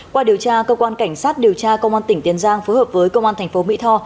qua điều tra cơ quan cảnh sát điều tra công an tỉnh tiền giang phối hợp với công an thành phố mỹ tho